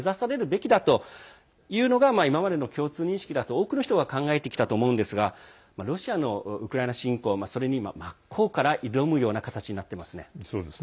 今までの共通認識だと多くの人が考えてきたと思いますがロシアのウクライナ侵攻それに真っ向から挑むような形になっていますね。